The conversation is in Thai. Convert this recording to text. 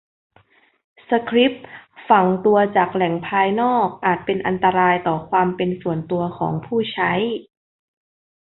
สคริปต์ฝังตัวจากแหล่งภายนอกอาจเป็นอันตรายต่อความเป็นส่วนตัวของผู้ใช้